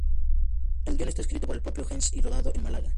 El guion está escrito por el propio Hens y rodado en Málaga.